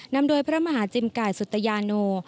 นำโดยพระมหาจิมกายสุตยาโน